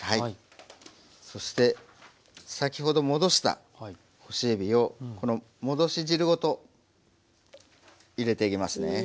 そして先ほど戻した干しえびをこの戻し汁ごと入れていきますね。